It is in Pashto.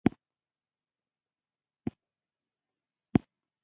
زه باور لرم چې زما مرحوم میړه ستاسو مراجع و